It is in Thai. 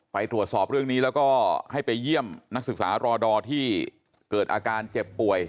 ไปตรวจสอบเรื่องนี้แล้วก็ให้ไปเยี่ยมนักศึกษารอดอที่เกิดอาการเจ็บป่วย